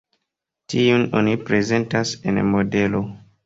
Tiun oni prezentas en modelo.